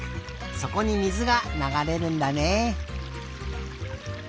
そこに水がながれるんだね。